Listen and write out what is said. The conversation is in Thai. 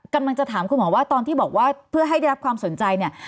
กำลังจะถามคุณหมอว่าตอนที่บอกว่าเพื่อให้ได้รับความสนใจเนี่ย